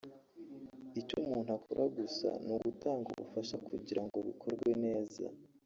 icyo umuntu akora gusa ni ugutanga ubufasha kugira ngo bikorwe neza